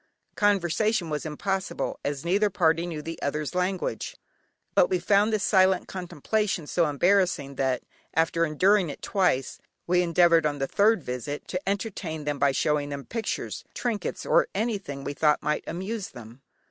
Conversation was impossible, as neither party knew the other's language, but we found this silent contemplation so embarrassing, that, after enduring it twice, we endeavoured on the third visit to entertain them by showing them pictures, trinkets, or anything we thought might amuse them.